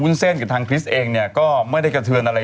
วุ้นเส้นแถลงทุ่มหนึ่งนะ